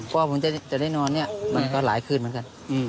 พ่อผมจะได้นอนมันก็หลายคืนเหมือนกัน